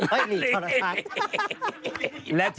เห้ยหลีชะละชะ